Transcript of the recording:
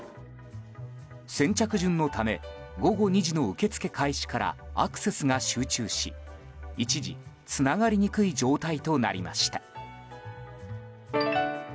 先着順のため午後２時の受け付け開始からアクセスが集中し一時、つながりにくい状態となりました。